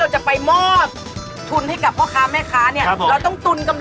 จะมาคุณสามคนไปกินเมนูดอกไม้